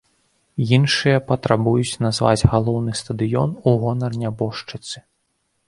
Іншыя патрабуюць назваць галоўны стадыён у гонар нябожчыцы.